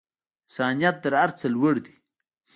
انسانیت تر هر څه لوړ دی.